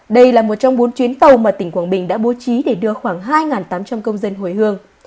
đây là một trong bốn chuyến tàu mà tỉnh quảng bình đã bố trí để đưa khoảng hai tám trăm linh công dân hồi hương